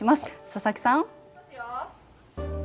佐々木さん。